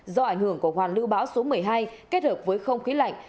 do ảnh hưởng của hoàn lưu bão số một mươi hai kết hợp với không khí lạnh